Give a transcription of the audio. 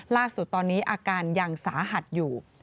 ล่าสุดตอนนี้อาการยังสาหัสอยู่